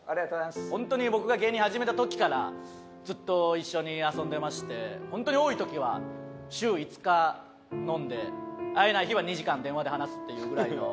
ホントに僕が芸人始めた時からずっと一緒に遊んでましてホントに多い時は週５日飲んで会えない日は２時間電話で話すっていうぐらいの。